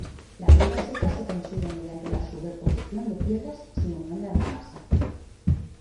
La piedra seca se consigue mediante la superposición de piedras sin unión de argamasa.